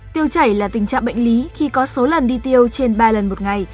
tiêu chảy là tình trạng bệnh lý khi có số lần đi tiêu trên ba lần một ngày